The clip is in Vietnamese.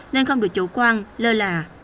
nên không được chủ quan lơ là